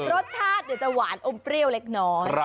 รสชาติจะหวานอมเปรี้ยวเล็กน้อย